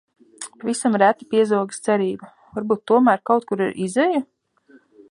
Pavisam reti piezogas cerība: varbūt tomēr kaut kur ir izeja?